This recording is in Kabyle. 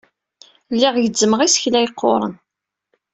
Lliɣ gezzmeɣ isekla yeqquren.